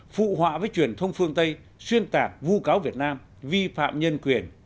phụ họa với truyền thông phương tây xuyên tạc vu cáo việt nam vi phạm nhân quyền